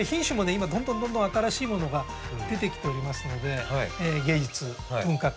今どんどんどんどん新しいものが出てきておりますので芸術文化としてですね